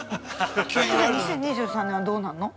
２０２３年はどうなんの？